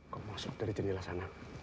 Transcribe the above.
kok masuk dari jendela sana